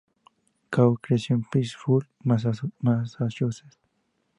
Cobb creció en Pittsfield, Massachusetts.